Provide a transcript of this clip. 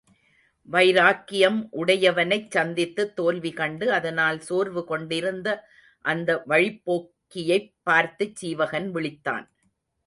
வைராக்கியம் உடையவனைச் சந்தித்துத் தோல்வி கண்டு அதனால் சோர்வு கொண்டிருந்த அந்த வழிப்போக்கியைப் பார்த்துச் சீவகன் விளித்தான்.